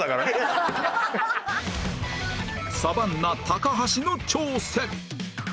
サバンナ高橋の挑戦